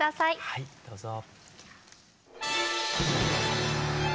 はいどうぞ。